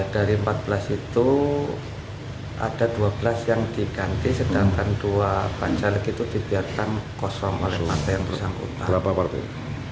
dari empat belas itu ada dua belas yang diganti sedangkan dua pancaleg itu dibiarkan kosong oleh partai yang